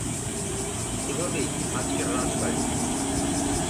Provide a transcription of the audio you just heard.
এভাবেই আজকের রাজবাড়ী।